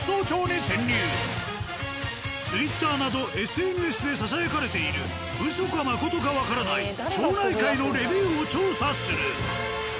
ＴｗｉｔｔｅｒなどＳＮＳでささやかれているうそかまことかわからない町内会のレビューを調査する。